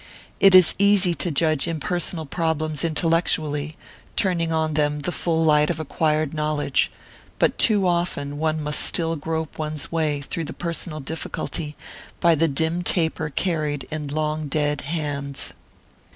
It is easy to judge impersonal problems intellectually, turning on them the full light of acquired knowledge; but too often one must still grope one's way through the personal difficulty by the dim taper carried in long dead hands....